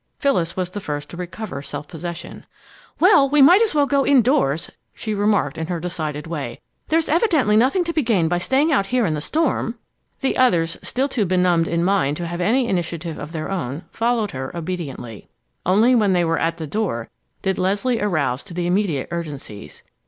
Phyllis was the first to recover self possession. "Well, we might as well go indoors," she remarked, in her decided way. "There's evidently nothing to be gained by staying out here in the storm!" The others, still too benumbed in mind to have any initiative of their own, followed her obediently. Only when they were at the door did Leslie arouse to the immediate urgencies.